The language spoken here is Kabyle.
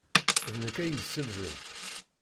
D nekk ay iselben.